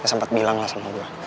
ya sempet bilang lah sama gue